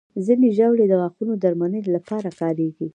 ځینې ژاولې د غاښونو درملنې لپاره کارېږي.